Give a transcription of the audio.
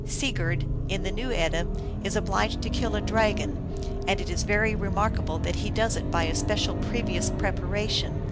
Sigurd, in the New Edda, is obliged to kill a dragon, and it is very remarkable that he does it by a special previous preparation.